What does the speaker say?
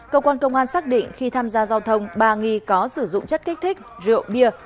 công an xác định khi tham gia giao thông ba nghi có sử dụng chất kích thích rượu bia